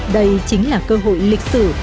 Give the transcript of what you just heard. đây chính là cơ hội lịch sử